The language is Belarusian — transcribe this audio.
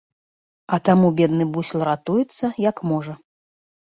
А таму бедны бусел ратуецца, як можа.